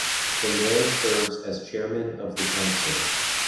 The mayor serves as chairman of the council.